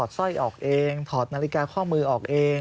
ถอดนาฬิกาข้อมือออกเองเพราะคุณต้องเป็นคนถอดนาฬิกาข้อมือออกเอง